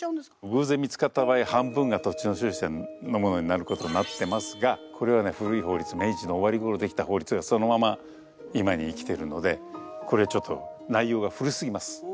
偶然見つかった場合は半分が土地の所有者のものになることになってますがこれはね古い法律明治の終わりごろ出来た法律がそのまま今に生きてるのでこれちょっと内容が古すぎます。